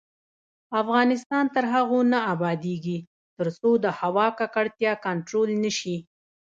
افغانستان تر هغو نه ابادیږي، ترڅو د هوا ککړتیا کنټرول نشي.